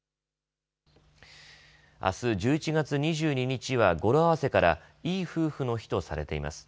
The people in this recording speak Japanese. あす１１月２２日は語呂合わせからいい夫婦の日とされています。